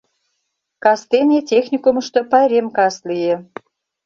Кастене техникумышто пайрем кас лие.